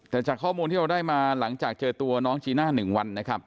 แต่จากข้อมูลที่เราได้มาหลังจากเจอตัวน้องจีน่า๑วันนะครับ